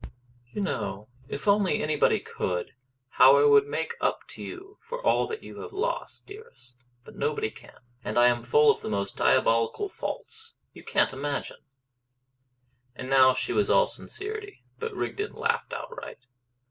"You know if only anybody could! how I would make up to you for all that you have lost, dearest. But nobody can. And I am full of the most diabolical faults you can't imagine!" And now she was all sincerity. But Rigden laughed outright.